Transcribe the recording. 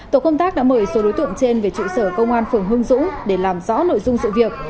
tổ công tác đã mời số đối tượng trên về trụ sở công an phường hương dũng để làm rõ nội dung sự việc